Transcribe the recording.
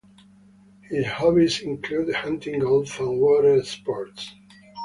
His hobbies included hunting, golf, and water sports.